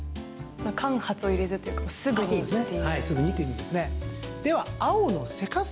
間髪を入れずというかすぐにっていう。